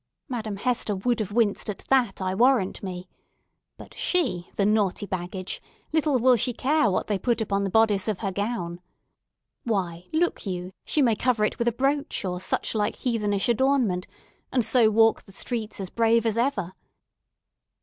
Madame Hester would have winced at that, I warrant me. But she—the naughty baggage—little will she care what they put upon the bodice of her gown! Why, look you, she may cover it with a brooch, or such like heathenish adornment, and so walk the streets as brave as ever!"